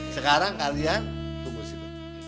sekarang kalian tunggu di situ